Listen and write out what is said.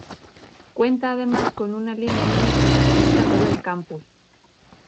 Cuenta además con una línea de metro que conecta todo el campus.